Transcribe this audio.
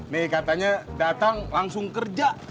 nih katanya datang langsung kerja